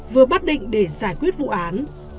vừa bắt định để giải quyết vụ án